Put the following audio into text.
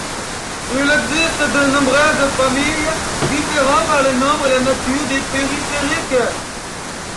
Il existe de nombreuses familles, différant par le nombre et la nature des périphériques.